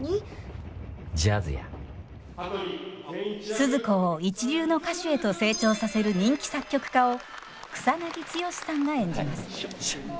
スズ子を一流の歌手へと成長させる人気作曲家を草剛さんが演じます。